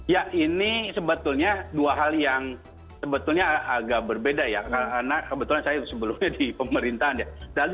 ya ini sebetulnya dua hal yang sebetulnya agak berbeda ya karena kebetulan saya sebelumnya di pemerintahan ya